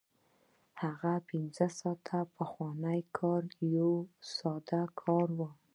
هغه پنځه ساعته پخوانی کار یو ساده کار و